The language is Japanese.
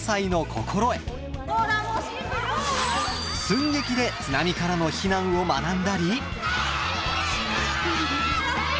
寸劇で津波からの避難を学んだり。